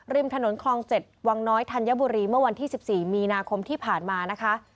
ริมถนนคลอง๗วังน้อยธัญบุรีเมื่อวันที่๑๔มีนาคมที่ผ่านมานะคะ